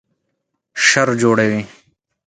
شر جوړوي